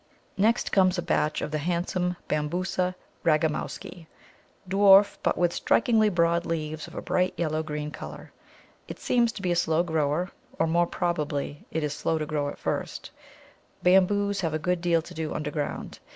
Next comes a patch of the handsome Bambusa Ragamowski, dwarf, but with strikingly broad leaves of a bright yellow green colour. It seems to be a slow grower, or more probably it is slow to grow at first; Bamboos have a good deal to do underground.